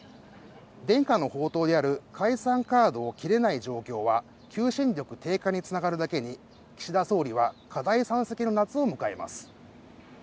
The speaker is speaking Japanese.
伝家の宝刀である解散カードを切れない状況は求心力低下に繋がるだけに、岸田総理は課題山積の夏を迎えます。